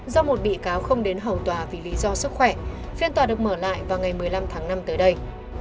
do một bị cáo không đến hầu tòa vì lý do sức khỏe phiên tòa được mở lại vào ngày một mươi năm tháng năm tới đây